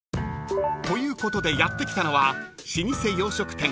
［ということでやって来たのは老舗洋食店］